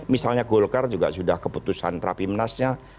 misalnya golkar juga sudah keputusan rapimnasnya